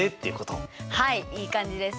はいいい感じです！